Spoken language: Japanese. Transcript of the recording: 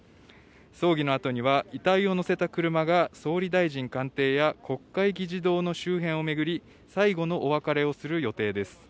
葬儀のあとには、遺体を乗せた車が総理大臣官邸や国会議事堂の周辺を巡り、最後のお別れをする予定です。